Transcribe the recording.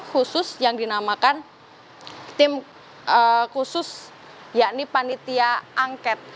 khusus yang dinamakan tim khusus yakni panitia angket